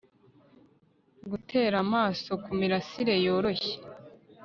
gutera amaso kumirasire yoroshye